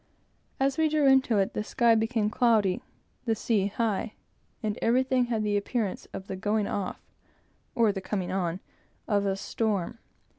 As we drew into it, the sky became cloudy, the sea high, and everything had the appearance of the going off, or the coming on, of a storm.